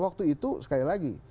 waktu itu sekali lagi